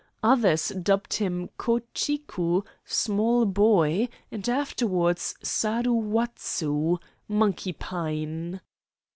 Others dubbed him Ko Chiku (small boy), and afterward Saru Watsu (monkey pine)."